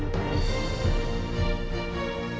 mereka percaya aku ini